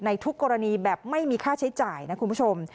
ทุกกรณีแบบไม่มีค่าใช้จ่ายนะคุณผู้ชม